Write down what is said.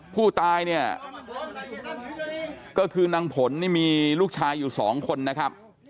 ผู้ตายเนี่ยก็คือนางผลนี่มีลูกชายอยู่สองคนนะครับ